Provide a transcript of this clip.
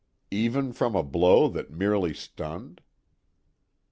"Even from a blow that merely stunned?"